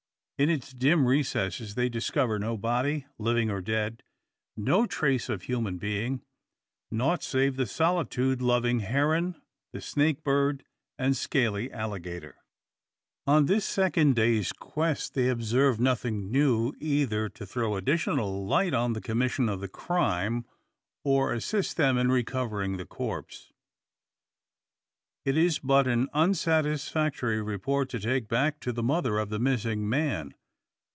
In its dim recesses they discover no body, living or dead, no trace of human being, nought save the solitude loving heron, the snake bird, and scaly alligator. On this second day's quest they observe nothing new, either to throw additional light on the commission of the crime, or assist them in recovering the corpse. It is but an unsatisfactory report to take back to the mother of the missing man.